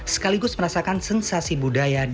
sekaligus merasakan sensasi budaya di dunia